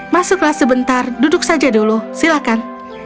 masuklah sebentar duduk saja dulu silakan